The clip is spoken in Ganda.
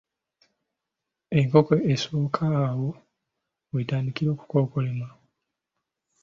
Enkoko esooka awo weetandikira okukookolima.